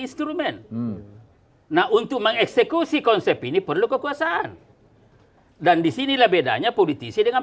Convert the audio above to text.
instrumen nah untuk mengeksekusi konsep ini perlu kekuasaan dan disinilah bedanya politisi dengan